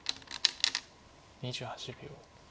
２８秒。